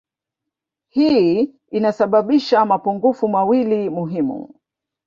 Hii inasababisha mapungufu mawili muhimu